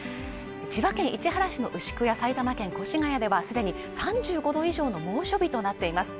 千葉県市原市の牛久や埼玉県越谷ではすでに３５度以上の猛暑日となっています